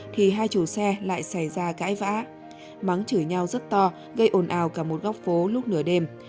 thì hai chủ xe lại xảy ra cãi vã mắng chửi nhau rất to gây ồn ào cả một góc phố lúc nửa đêm